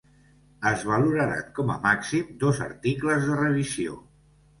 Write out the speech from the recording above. Es valoraran com a màxim dos articles de revisió.